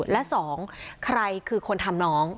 และสองใครคือคนทำน้อง